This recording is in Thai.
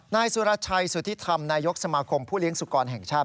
นายสุรชัยสุธิธรรมนายกสมาคมผู้เลี้ยสุกรแห่งชาติ